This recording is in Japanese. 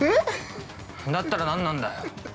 ◆だったら、なんなんだよ！